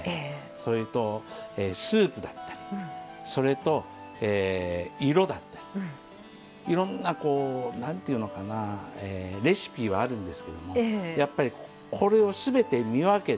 それとスープだったりそれと色だったりいろんなこう何ていうのかなレシピはあるんですけどもやっぱりこれを全て見分けて。